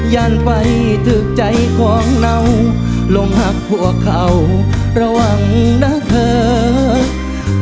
ยานไปถึงใจของเราลงหักหัวเข่าระวังนะเถิด